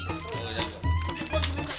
tinggal sepuluh menit lagi buka deh